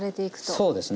そうですね。